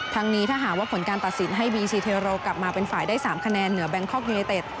นี้ถ้าหากว่าผลการตัดสินให้บีซีเทโรกลับมาเป็นฝ่ายได้๓คะแนนเหนือแบงคอกยูเนเต็ด